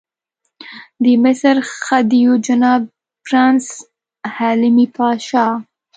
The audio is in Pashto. د مصر خدیو جناب پرنس حلمي پاشا.